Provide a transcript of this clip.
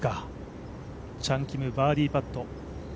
チャン・キム、バーディーパット。